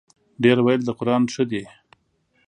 ـ ډېر ویل د قران ښه دی.